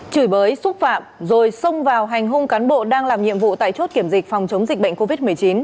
chửi bới xúc phạm rồi xông vào hành hung cán bộ đang làm nhiệm vụ tại chốt kiểm dịch phòng chống dịch bệnh covid một mươi chín